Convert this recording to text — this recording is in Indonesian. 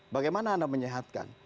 bagaimana anda menyehatkan